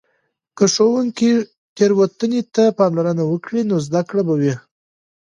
که ښوونکې تیروتنې ته پاملرنه وکړي، نو زده کړه به وي.